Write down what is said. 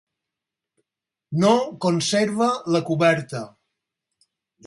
No conserva la coberta.